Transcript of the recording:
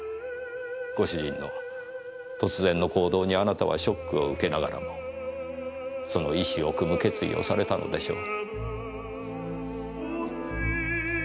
ご主人の突然の行動にあなたはショックを受けながらもその遺志をくむ決意をされたのでしょう。